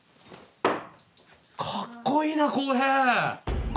かっこいいな航平！